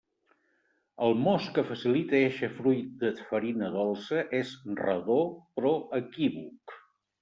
El mos que facilita eixe fruit de farina dolça és redó però equívoc.